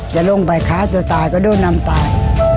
จะลงไปฆ่าตัวตายก็โดนนำตาย